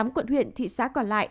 một mươi tám quận huyện thị xã còn lại